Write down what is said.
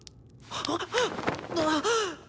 あっ。